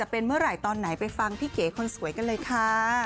เป็นเมื่อไหร่ตอนไหนไปฟังพี่เก๋คนสวยกันเลยค่ะ